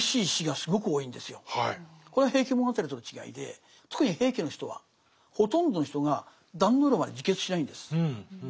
これは「平家物語」との違いで特に平家の人はほとんどの人が壇ノ浦まで自決しないんです。